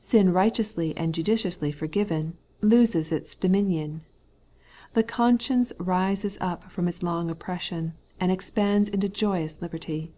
Sin righteously and judicially forgiven, loses its dominion. The conscience rises up from its long oppression, and expands into joyous liberty.